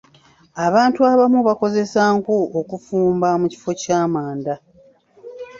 Abantu abamu bakozesa nku okufumba mu kifo ky'amanda.